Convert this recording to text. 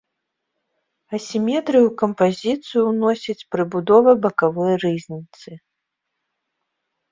Асіметрыю ў кампазіцыю ўносіць прыбудова бакавой рызніцы.